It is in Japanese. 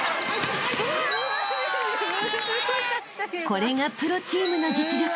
［これがプロチームの実力］